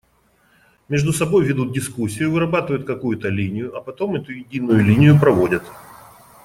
Между собой ведут дискуссию, вырабатывают какую-то линию, а потом эту единую линию проводят.